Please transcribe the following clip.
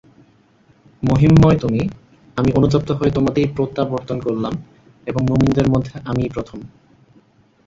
মহিমময় তুমি, আমি অনুতপ্ত হয়ে তোমাতেই প্রত্যাবর্তন করলাম এবং মুমিনদের মধ্যে আমিই প্রথম।